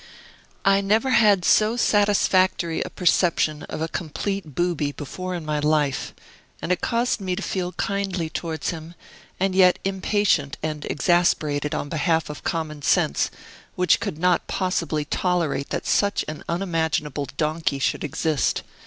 I never had so satisfactory a perception of a complete booby before in my life; and it caused me to feel kindly towards him, and yet impatient and exasperated on behalf of common sense, which could not possibly tolerate that such an unimaginable donkey should exist.